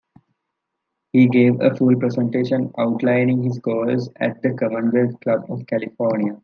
He gave a full presentation outlining his goals at the Commonwealth Club of California.